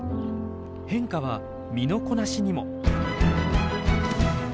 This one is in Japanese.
変化は身のこなしにも。